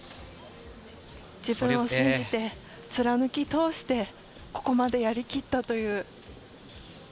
自分を信じて、貫き通してここまでやり切ったという。